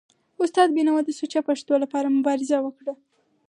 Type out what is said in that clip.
استاد بینوا د سوچه پښتو لپاره مبارزه وکړه.